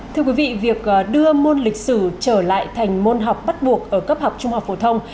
thưa quý vị việc đưa môn lịch sử trở lại thành môn học bắt buộc ở cấp học trung học phổ thông